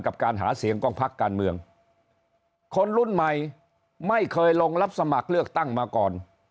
การหาเสียงของพักการเมืองคนรุ่นใหม่ไม่เคยลงรับสมัครเลือกตั้งมาก่อน